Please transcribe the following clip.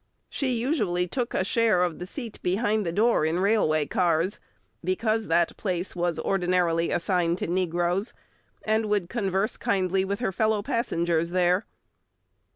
She usually took a share of the seat behind the door in railway cars, because that place was ordinarily assigned to negroes, and would converse kindly with her fellow passengers there.